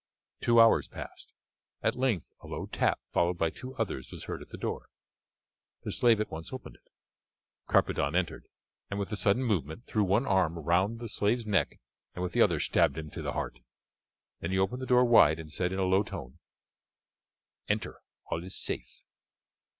Two hours passed. At length a low tap followed by two others was heard at the door. The slave at once opened it. Carpadon entered, and with a sudden movement threw one arm round the slave's neck and with the other stabbed him to the heart. Then he opened the door wide, and said in a low tone: "Enter, all is safe."